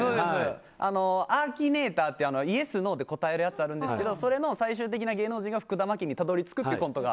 アーキネーターってイエス、ノーで答えるやつがあるんですけどそれの最終的な芸能人が福田麻貴にたどり着くというコントが。